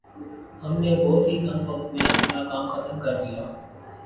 ھم نے بہت ہی کم وقت میں اپنا کام ختم کرلیا